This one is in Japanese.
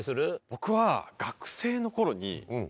僕は。